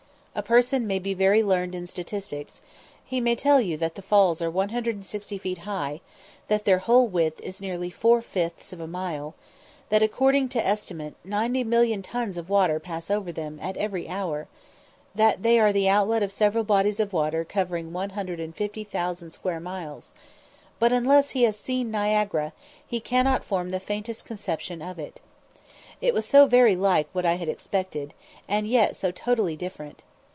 A person may be very learned in statistics he may tell you that the falls are 160 feet high that their whole width is nearly four fifths of a mile that, according to estimate, ninety million tons of water pass over them every hour that they are the outlet of several bodies of water covering one hundred and fifty thousand square miles; but unless he has seen Niagara, he cannot form the faintest conception of it. It was so very like what I had expected, and yet so totally different.